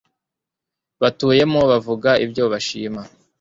batuyemo bavuga ibyo bashima